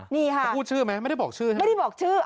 นี่ค่ะไม่ได้บอกชื่อใช่ไหมไม่ได้บอกชื่อ